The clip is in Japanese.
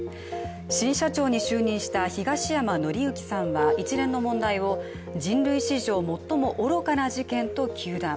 新社長に就任した東山紀之さんは一連の問題を人類史上最も愚かな事件と糾弾。